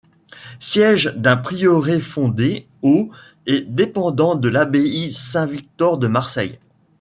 Siège d'un prieuré fondé au et dépendant de l'abbaye Saint-Victor de Marseille.